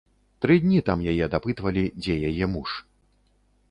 Тры дні там яе дапытвалі, дзе яе муж.